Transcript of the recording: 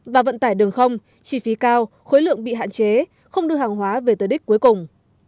và vận tải đường không chi phí cao khối lượng bị hạn chế không đưa hàng hóa về tới đích cuối cùng